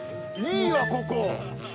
いいわここ！